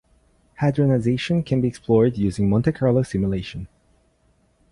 Hadronization can be explored using Monte Carlo simulation.